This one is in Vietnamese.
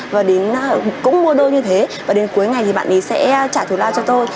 và cũng mua đô như thế và đến cuối ngày thì bạn ấy sẽ trả thù lao cho tôi